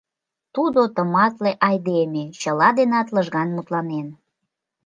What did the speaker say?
Тудо тыматле айдеме, чыла денат лыжган мутланен.